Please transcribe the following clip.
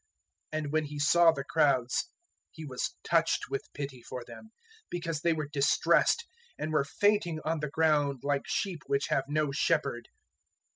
009:036 And when He saw the crowds He was touched with pity for them, because they were distressed and were fainting on the ground like sheep which have no shepherd.